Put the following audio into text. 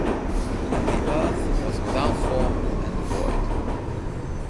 And the earth was without form, and void.